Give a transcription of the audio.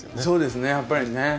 そうですねやっぱりね。